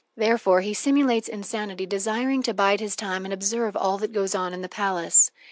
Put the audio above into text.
Therefore he simulates insanity, desiring to bide his time and observe all that goes on in the palace.